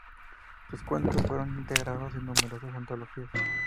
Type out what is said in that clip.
Sus cuentos fueron integrados en numerosas antologías.